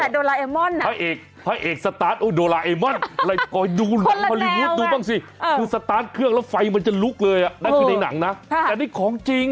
ไม่ดูแม่กอสไลเตอร์พระเอกสตาร์ทโดลาเอมอนดูหนังฮารีวุธดูบ้างสิคือสตาร์ทเครื่องแล้วไฟมันจะลุกเลยนั่นคือในหนังนะแต่นี่ของจริง